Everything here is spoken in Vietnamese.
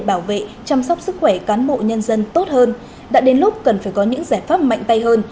bảo vệ chăm sóc sức khỏe cán bộ nhân dân tốt hơn đã đến lúc cần phải có những giải pháp mạnh tay hơn